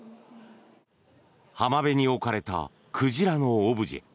浜辺に置かれた鯨のオブジェ。